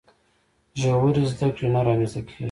ژورې زده کړې نه رامنځته کیږي.